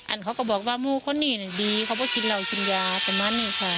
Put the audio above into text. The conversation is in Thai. อันเขาก็บอกว่ามูกคนนี้เนี้ยดีเขาบอกกินเหล่ากินยาประมาณนี้ค่ะ